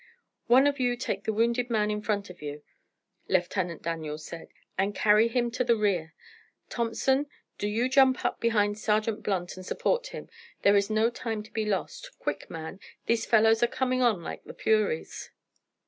"One of you take the wounded man in front of you," Lieutenant Daniels said, "and carry him to the rear. Thompson, do you jump up behind Sergeant Blunt, and support him. There is no time to be lost. Quick, man, these fellows are coming on like furies."